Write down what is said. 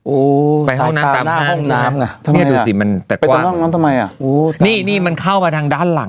อูไปห้องน้ำทำห้องน้ำไงอะเป็นอี้มันเข้ามาทางด้านหลัง